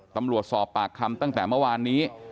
สอบปากคำตั้งแต่เมื่อวานนี้